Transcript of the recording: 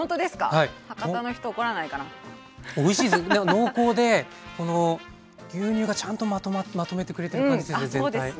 濃厚でこの牛乳がちゃんとまとめてくれてる感じしてて全体。